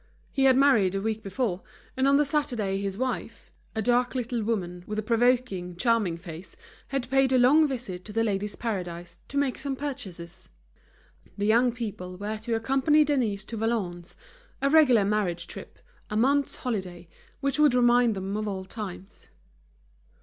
He had married a week before, and on the Saturday his wife, a dark little woman, with a provoking, charming face, had paid a long visit to The Ladies' Paradise to make some purchases. The young people were to accompany Denise to Valognes, a regular marriage trip, a month's holiday, which would remind them of old times.